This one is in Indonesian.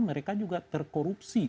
mereka juga terkorupsi